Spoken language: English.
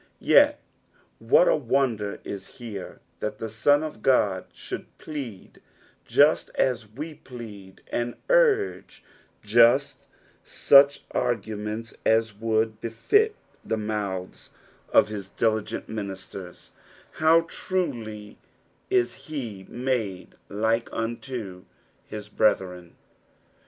Yet what a wonder is here, that the Bon of God should plead, just as we plead, and urge just 260 EXPOSIXIOKS OP THE PSALMS. such argnments aa would bcGt the mouths of his dili^nt ministers ! Raw trul; ia he " made like unto his brethren."